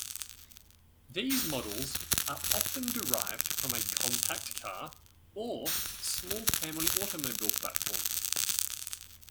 These models are often derived from a compact car or small family automobile platform.